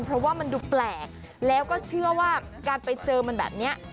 เพราะว่ามันดูแปลกแล้วก็เชื่อว่าการไปเจอมันแบบนี้